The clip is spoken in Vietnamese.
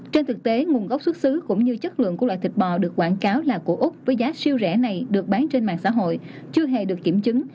trên thực tế nguồn gốc xuất xứ cũng như chất lượng của loại thịt bò được quảng cáo là của úc với giá siêu rẻ này được bán trên mạng xã hội chưa hề được kiểm chứng